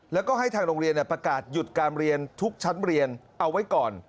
แล้วก็ให้ทางโรงเรียนประกาศหยุดการเรียนทุกชั้นเรียนเอาไว้ก่อน